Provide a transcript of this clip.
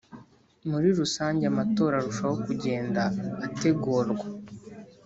Muri rusange amatora arushaho kugenda ategurwa